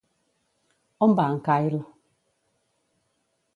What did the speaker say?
On va en Kyle?